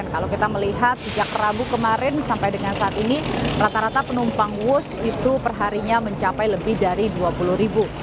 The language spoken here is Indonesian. kalau kita melihat sejak rabu kemarin sampai dengan saat ini rata rata penumpang wus itu perharinya mencapai lebih dari dua puluh ribu